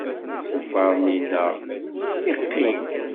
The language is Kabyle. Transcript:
Asenfaṛ-nni-nneɣ yeqqim.